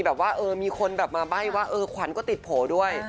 แบบว่าเออมีคนแบบมาใบ้ว่าเออขวัญก็ติดโผล่ด้วย